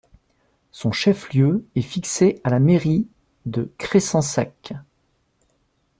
Son chef-lieu est fixé à la mairie de Cressensac.